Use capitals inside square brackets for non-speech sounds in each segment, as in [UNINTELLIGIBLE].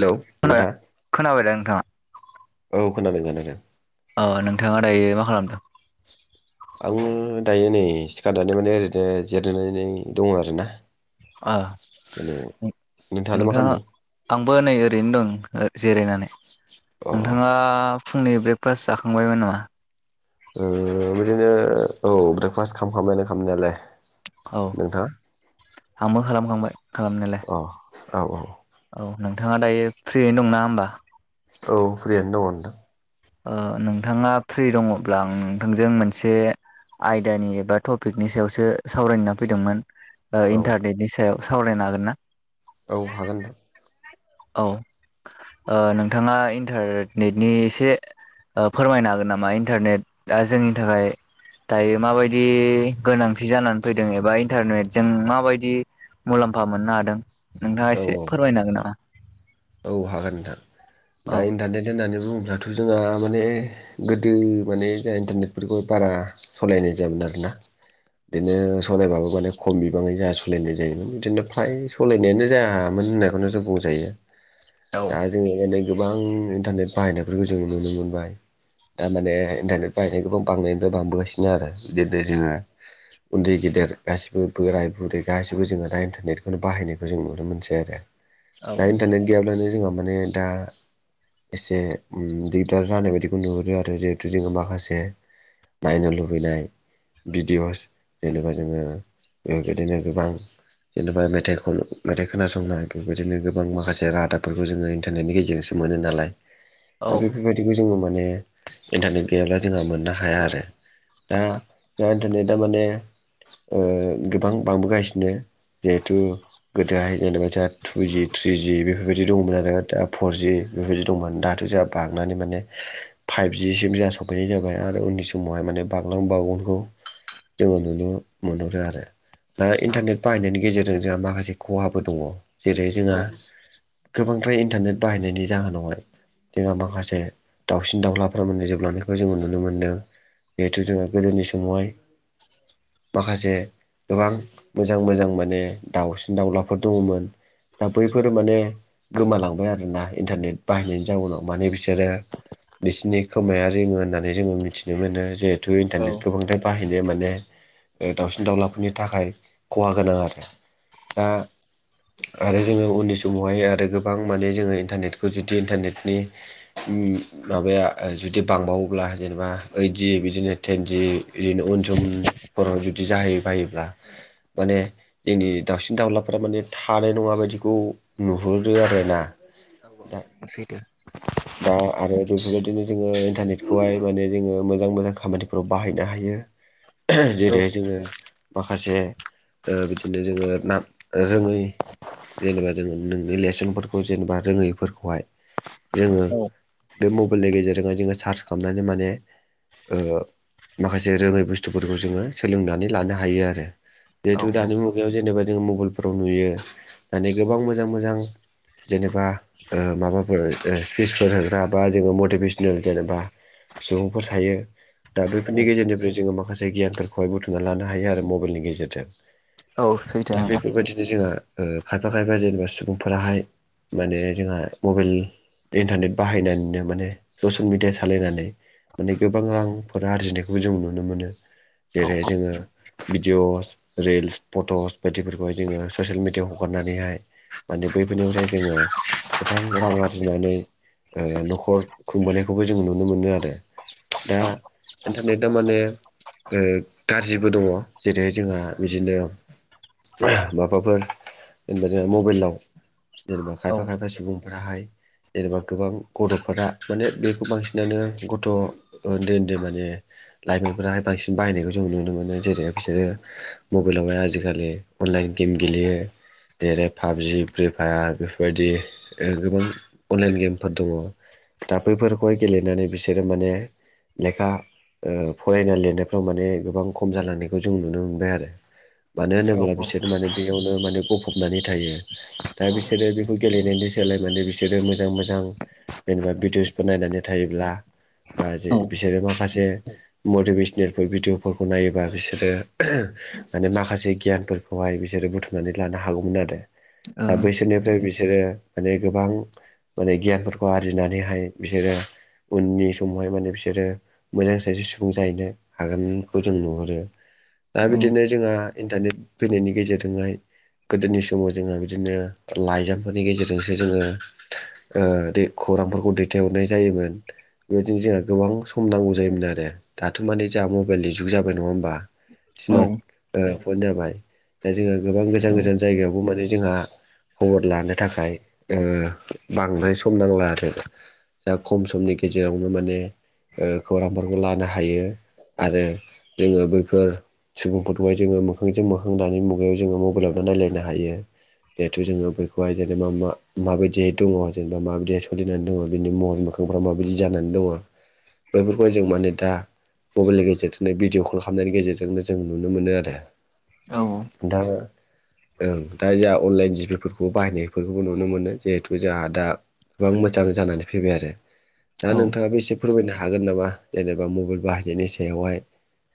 हेल' नोंथां। खोनाबाय दा नोंथाङा? औ खोनादों खोनादों। अ' नोंथाङा दायो मा खालामदों? आङो दायो नै सिखार दानाय माने ओरैनो जिरनानै दङ आर ना। ओ नोंथाङालाय मा नोंथाङा। खालामदों आंबो नै ओरैनो दं जिरायनानै अ अ नोंथाङा फुंनै ब्रेकफास्ट जाखांबायमोन नामा? बिदिनो औ ब्रेकफास्ट खालामखांबायमोन खालामनायालाय। औ नोंथाङा आंबो खालामखांबाय खालामनायालाय। अ औ औ। औ नोंथाङा दायो फ्रियैनो दंनाा होनबा। औ फ्रियानो दङ। नोंथाङा फ्रि दङब्ला आं नोंथांजों मोनसे आयदानि एबा टपिकनि सायावसो सावरायनो‌ होनना फैदोंमोन। ओ औ इन्टारनेटनि सायाव सावरायनो हागोन ना? औ हागोन नोंथां। औ ओ नोंथाङा इन्टारनेटनि एसे ओ फोरमायनो हागोन नामा? इन्टारनेटा जोंनि थाखाय दायो माबायदि गोनांथि जानानै फैदों एबा इन्टारनेटजों माबायदि मुलाम्फा मोननो हादों, नोंथाङा औ एसे फोरमायनो हागोन नामा? औ हागोन नोंथां। दा औ इन्टारनेट होननानै बुङोब्ला थ' जोंहा माने गोदो माने जोंहा इन्टारनेटफोरखौ बारा सलायनाय जायामोन आरोना। बिदिनो सलायबाबो माने खम बिबाङै जोंहा सलायनाय जायोमोन बिदिनो फ्राय सलायनायानो जायामोन होननायखौनो जों बुंजायो। [INAUDIBLE] दा जोङो माने गोबां इन्टारनेट बाहायनायफोरखौ जों नुनो मोनबाय। दा माने इन्टारनेट बाहायनायखौबो बांनायनिफ्राय बांबोगासिनो आरो बिदिनो जोङो उन्दै-गेदेर गासिबो बोराय-बुरै गासैबो जोङो दा इन्टारनेटखौनो बाहायनायखौ जों नुनो मोनसै आरो। औ दा इन्टारनेट गैयाब्लानो जोंहा माने दा एसे उम दिगदार जानाय बायदिखौ नुहुरो आरो जिहेथु जोङो माखासे नायनो लुबैनाय भिडिअ'स जेनेबा जोङो बेबायदिनो गोबां जेनेबा मेथाइ खन मेथाइ खोनासंनो बिदिनो गोबां गोबां मासे रादाबफोरखौ जोङो इन्टारनेटनि गेजेरजोंसो मोनो नालाय दा औ बेफोरबायदि बेखौ जोङो माने इन्टारनेट गैयाब्ला जोंहा मोननो हाया आरो। दा दा दिनै दामाने आरो गोबां बांबोगासिनो जिहेथु गोदोहाय जेनेबा जोंहा टु जि थ्रि जि बेफोर बिदि दंमोन आरो दा फरजि बेफोरबायदि दंमोन दाथ' जोंहा बांनानै माने फाइभ जिसिम जोंहा सफैनाय जाबाय आरो उननि समावहाय माने बांलां बावगोनखौ जोङो नुनो मोनहरो आरो। दा इन्टारनेट बाहायनायनि गेजेरजों जोंहा माखासे खहाबो दङ। जेरै- औ जोंहा गोबांद्राय इन्टारनेट बाहायनायनि जाहोनावहाय जोंहा माखासे दावसिन-दाउलाफ्रा माने जोबलांनायखौ जोङो नुनो मोन्दों। जिहेथु जोङो गोदोनि समावहाय माखासे गोबां मोजां मोजां माने दाउसिन-दाउलाफोर दङमोन दा बैफोर माने गोमालांबाय आरोना इन्टारनेट बाहायनायनि जाउनाव माने बिसोरो बिसिनि खोमाया रिङो होननानै जोङो मिथिनो मोनो जिहेथु औ इन्टारनेटखौ गोबांद्राय बाहायनो माने ओ दाउसिन-दाउलाफोरनि थाखाय खहा गोनां आरो दा आरो जोङो उननि समावहाय आरो गोबां माने जोङो इन्टारनेटखौ जुदि इन्टारनेटनि उम माबाया ओ जुदि बांबावोब्ला जेनेबा ओइद जि बिदिनो टेन जि बिदिनो उन सम फोराव जुदि जाहै बायोब्ला माने जोंनि दाउसिन-दाउलाफ्रा माने थानाय नङा बायदि खौ नुहुरो आरो ना। औ औ नंगौ सैथो। दा आरो बेफोरबायदिनो जोङो इन्टारनेटखौहाय माने जोङो मोजां मोजां खामानिफोराव बाहायनो हायो। [INAUDIBLE] औ जेरैहाय जोङो माखासे ओ बिदिनो जोङो ना रोङै जेनेबा जों नोंनि लेसनफोरखौ जेनेबा रोङैफोरखौहाय जोङो औ बे मबाइलनि गेजेरजोंहाय जोङो सार्च खालामनानै माने ओ माखासे रोङै बुस्थुफोरखौ जोङो सोलोंनानै लानो हायो आरो। औ जिहेथु दानि मुगायाव जेनेबा जोङो मबाइलफोराव नुयो मानि गोबां मोजां मोजां जेनेबा माबाफोर स्पिसफोर होग्रा बा जोङो मटिभेसनेल जेनेबा सुबुंफोर थायो। दा औ बैफोरनि गेजेरनिफ्राय जोङो माखासे गियानफोरखौहाय बुथुमना लानो हायो आरो मबाइलनि गेजेरजों औ सैथो दा नोंथां बेफोरबायदिनो जोंहा ओ खायफा खायफा जेनेबा सुबुंफोराहाय माने जोंहा मबाइल इन्टारनेट बाहायनानैनो माने ससियेल मिडिया सालायनानै माने गोबां रांफोर आरजिनायखौबो जों नुनो मोनो जेरै जोङो भिदिअस रिल्स फट'स बायदिफोरखौहाय जोङो ससियेल मिडियायाव हगारनानैहाय माने बैफोरनिफ्राय जोङो गोबां रां आरो थिनानै ओ न'खर खुंबोनखौबो जों नुनो मोनो आरो। दा इन्टारनेटआ माने ओ गाज्रिबो दङ जेरैहाय जोंहा बिदिनो माबाफोर जेनेबा जों मबाइलाव जेनेबा औ खायफा खायफा सुबुंफोराहाय जेनेबा गोबां गथ'फोरा माने बेखौ बांसिनानो गथ' उन्दै उन्दै माने लाइमोनफोराहाय बांसिन बायनायखौ जों नुनो मोनो जेरै बिसोरो मबाइलावहाय आजिखालि अनलाइन गेम गेलेयो जेरै पाबजि फ्रि फायार बेफोरबायदि गोबां अनलाइन गेमफोर दङ दा बैफोरखौहाय गेलेनानै बिसोरो माने लेखा फरायनाय लिरनायफ्राव माने गोबां खम जालांनायखौ जों नुनो मोनबाय आरो मानो औ होनोब्ला बिसोरो माने बेयावनो माने गफबनानै थायो दा बिसोरो बेखौ गेलेनायनि सोलाय मो बिसोरो बिसोरो मोजां मोजां जेनेबा भिडिअ'सफोर नायनानै थायोब्ला बा जे औ औ बिसोरो माखासे मटिभेसनेलफोर भिडिअ'फोरखौ नायोबा बिसोरो माने माखासे गियानफोरखौहाय बिसोरो बुथुमनानै लानो हागौमोन आरो दा बैसोरनिफ्राय बिसोरो माने गोबां माने गियानफोरखौ आरजिनानैहाय बिसोरो उननि समावहाय माने बिसोरो मोजां सासे सुबुं जाहैनो हागोनखौ जों नुहुरो दा बिदिनो जोंहा इन्टारनेट फैनायनि गेजेरजोंहाय गोदोनि समाव जोंहा बिदिनो लाइजामफोरनि गेजेरजोंसो जोङो ओ दे खौरांफोरखौ दैथायहरनाय जायोमोन बेबायदिनो जोंहा गोबां सम नांगौ जायोमोन आरो दाथ' माने जोंहा मबाइलनि जुग जाबाय नङा होमबा स्मार्ट पइन्ट जाबाय दा जोङहा गोबां गोजान गोजान जायगायावबो माने जोंहा खबर लानो थाखाय ओ बांद्राय सम नांला आरो जा खम समनि गेजेरावनो माने ओ खौरांफोरखौ लानो हायो आरो जोंङो बैफोर सुबुंफोरखौहाय जोङो मोखांजों मोखांनानै मुगायाव जोङो मबाइलावनो नायलायनो हायो जिहेथु जोंङो बेैखौहाय जेनेबा मा माबायदि दंङ जेनेबा माबायदिया सोलिनानै दंङ बिनि महर मोखांफ्रा माबायदि जानानै दंङ बेफोरखौहाय जों माने दा मबाइलनि गेजेरजोंनो भिडिअ कल खालामनायनि गेजेरजोंनो जों नुनो मोनो आरो। औ दा आङो ओं दा जा अनलाइन जिबिफोरखौ बाहायनायफोरखौबो नुनो मोनो जिहेथु जोहा दा गोबां मोजां जानानै फैबाय आरो दा नोंथाङाबो एसे फोरमायनो हागोन नामा जेनेबा मबेइल बाहायनायनि सायावहाय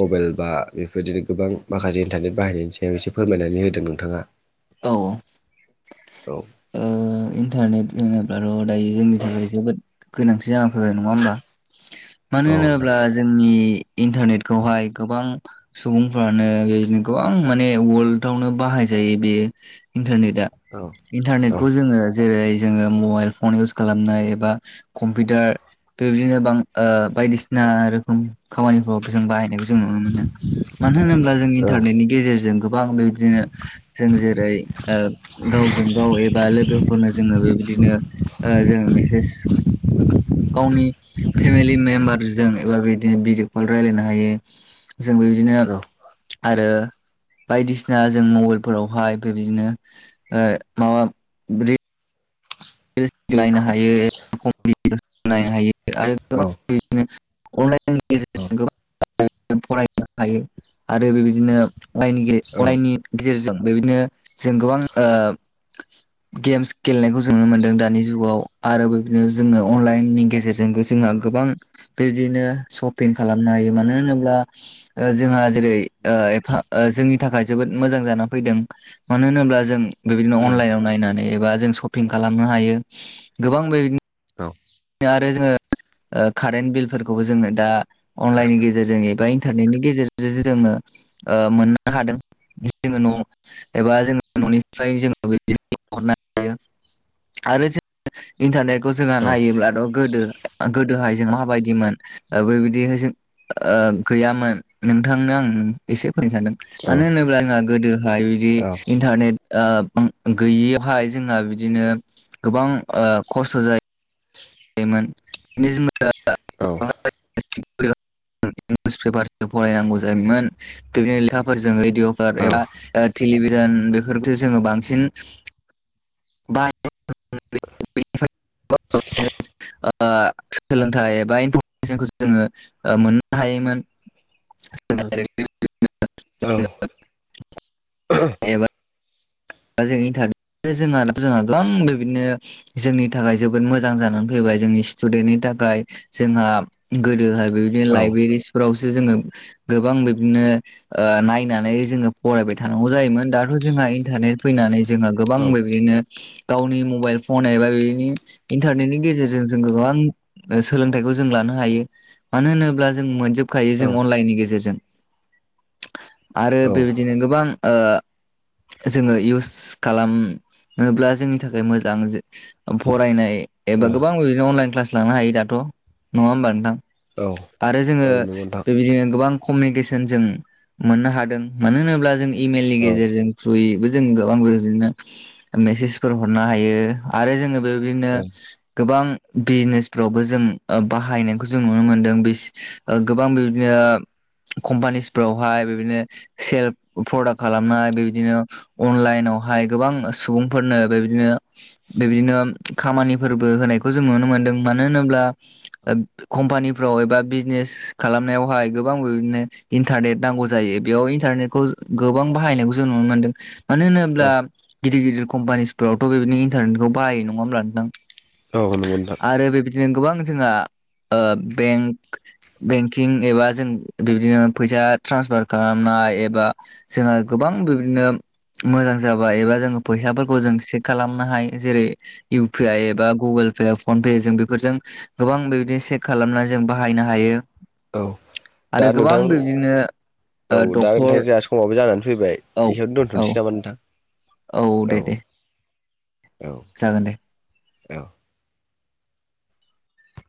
मबाइल बा बेफोरबादिनो गोबां माखासे इन्टारनेट बाहायनायनि सायाव एसे फोरमायनानै होदों नोंथांङा औ औ ओ इन्टारनेट होनोब्लाथ' दायो जोंनि थाखाय जोबोद गोनांथि जानानै फैबाय नंङा होमबा? मानो औ नोंथां होनोब्ला जोंनि इन्टारनेटखौहाय गोबां सुबुंफ्रानो बेबादिनो गोबां माने वर्ल्डआवनो बाहायजायो बियो इन्टारनेटआ औ औ इन्टारनेटखौ जोङो जेरै जोंङो मबाइल फन इउस खालामनाय एबा कम्पिउटार बेबायदिनो बां ओ बायदिसिना रोखोम खामानिफ्राव जों बाहाय नायखौ जों नुनो मोनो मानो होनोब्ला जों औ इन्टारनेतनि गेजेरजों गोबां बेबा दिनो जों जेरै ओ गावजों गाव एबा लोगो फोरनो जोंङो बेबायदिनो ओ जों मेसेज गावनि फेमिलि मेम्बारजों एबा बिदिनो भिडिअ कल रायलायनो हायो जों बे दिनो औ आरो बायदिसिना जों मबाइलफोरावहाय बेबायदिनो ओ माबा ब्रि [UNINTELLIGIBLE] नायनो हायो [UNINTELLIGIBLE] नायनो हायो आरो गोबां [UNINTELLIGIBLE] [UNINTELLIGIBLE] फरायनो हायो आरो बेबायदिनो अरायनि औ अरायनि गेजेरजों बेबायदिनो जों गोबां ओ गेम्स गेलेनायखौ जो जों नु मोन्दों दानि जुगाव आरो बेबायदिनो जोङो अनलाइन नि गेजेरजोंबो जोंहा गोबां बेबायदिनो सपिं खालामनो हायो मानो होनोब्ला ओ जोंहा जेरै ओ एफा ओ जोंनि थाखाय जोबोद मोजां जाना फैदों मानो होनोब्ला जों बेबायदिनो अनलाइनाव नायनानै एबा जों सपिं खालामनो हायो गोबां बेबादिनो औ आरो जोङो ओ कारेन बिलफोरखौबो जोङो दा अनलाइननि गेजेरजों एबा इन टारनेटनि [UNINTELLIGIBLE] जोंङो ओ मोननो हादों जोंङो न' एबा जोंङो न'निफ्राय जोंङो [UNINTELLIGIBLE] आरो जों इन्टारनेटखौ जोंहा नायोब्ला दाउ गोदो गोदोहाय जों माबायदिमोन ओ बेबायदिहाय जों ओ गैयामोन नोंथांनो आं एसे [UNINTELLIGIBLE] सानदों औ मानो होनोब्ला जोंहा गोदोहाय बिदि इन्टारनेट ओ बां गैयियावहाय जोंहा बिदिनो गोबां ओ खस्थ' जा मोन [UNINTELLIGIBLE] औ [UNINTELLIGIBLE] [UNINTELLIGIBLE] पेपारसो फरायनांगौ जायोमोन [UNINTELLIGIBLE] लेखाफोरजों दिअफोर एबा ओ तेलिभिजन बेफोर सो जों बांसिन बाहाय [UNINTELLIGIBLE] ओ सोलोंथाइ एबा [UNINTELLIGIBLE] जोङो ओ मोननो हायोमोन। [UNINTELLIGIBLE] औ एबा दा जोंनि [UNINTELLIGIBLE] बेबायदिनो जोंनि थाखाय जोबोद मोजां जानानै फैबाय जोंनि स्टुदेन्टनि थाखाय जोंहा गोदोहाय बेबायदिनो लाइब्रेरिसफोरावसो जोंङो गोबां बेबादिनो ओ नायनानै जोङो फरायबाय थानांगौ जायोमोन दाथ' जोंहा इन्टारनेट फैनानै जोङो गोबां बेबादिनो गावनि मबाइल फन एबा बेनि इन्टारनेटनि गेजेरजों जों गोबां सोलोंथाइखौ जों लानो हायो मानो होनोब्ला जों मोनजोब खायो जों अनलाइननि गेजेरजों। आरो बेबायदिनो गोबां ओ जोङै इउस खालामनोब्ला जोंनि थाखाय मोजां फरायनाय एबा गोबां बिबादिनो अनलाइन क्लास लानो हायो दाथ' नंङा होमबा नोंथां औ आरो औ जोंङो नंगौ नोंथां बेबायदिनो गोबां कमनिबेसेन जों मोननो हादों मानो होनोब्ला जों इमेलनि औ गेजेरजों थ्रुयै जों गोबां बेबादिनो मेसेजफोर हरनो हायो आरो जोङो बेबायदिनो गोबां बिजनेसफोरावबो जों उह बाहायनायखौ जों नुनो मोनदों बिस ओ गोबां बिदिनो कम्पानिसफ्रावहाय बेबादिनो सेल प्रदाक्ट खालामनाय बेबादिनो अनलाइनावहाय गोबां सुबुंफोरनो बेबायदिनो बेबदिनो खामानिफोरबो होनायखौ जों नुनो मोनदों मानो होनोब्ला कम्पानिफ्राव एबा बिजनेस खालामनायावहाय गोबां बिबायदिनो इन्टारनेट नांगौ जायो बेयाव इन्टारनेट खौ गोबां बाहायनायखौ जों नुनो मोनदों। मानो होनोब्ला गिदिर गिदिर कम्पानिसफोरावथ' बेदिनो इन्टारनेटखौ बाहायो नंङा होमब्ला नोंथां औ नंगौ नोंथां आरो बेबायदिनो गोबां जोंहा ओ बेंक बेंकिं एबा जों बेबादिनो फैसा ट्रन्सफार खालामनाय एबा जोंहा गोबां बेबादिनो मोजां जाबाय एबा जोङो फैसाफोरखौ जों खालामनो हायो जेरै इउ पि आइ एबा गुगोल पे फन पे जों बेफोरजों गोबांसेख खालामना जोंबाहायनो हायो औ दा आरो गोबां नोंथां बेबादिनो उह डक्टर समावबो जानानै फैबाय औ बेखियाव औ दोनथ'नोसै नामा नोंथां औ दे दे औ। औ जागोन दे औ